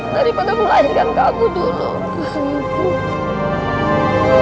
daripada melahirkan kamu dulu